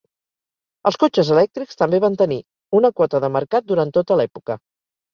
Els cotxes elèctrics també van tenir una quota de mercat durant tota l'època.